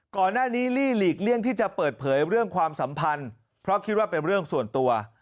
ก่อนหน้านี้ลี่หลีกเลี่ยงที่จะเปิดเผยเรื่องความสัมพันธ์เพราะคิดว่าเป็นเรื่องส่วนตัว